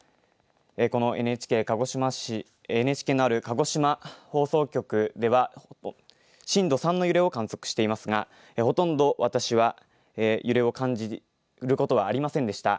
このＮＨＫ、鹿児島市、ＮＨＫのある鹿児島放送局では、震度３の揺れを観測していますが、ほとんど私は揺れを感じることはありませんでした。